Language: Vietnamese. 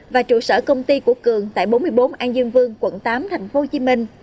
và trụ sở công ty của cường tại bốn mươi bốn an dương vương quận tám tp hcm